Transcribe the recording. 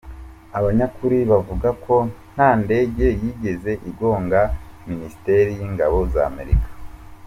Abanyakuri bavuga ko nta ndege yigeze igonga Minisiteri y’ingabo za Amerika.